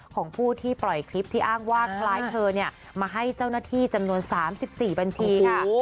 ของผู้ที่ปล่อยคลิปที่อ้างว่าคล้ายเธอมาให้เจ้าหน้าที่จำนวน๓๔บัญชีค่ะ